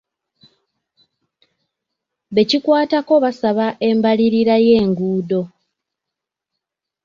Bekikwatako basaba embalirira y'enguudo.